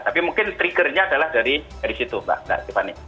tapi mungkin trigger nya adalah dari situ mbak